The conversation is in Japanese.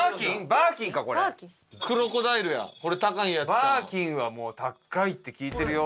バーキンはもう高いって聞いてるよ。